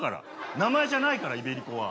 名前じゃないからイベリコは。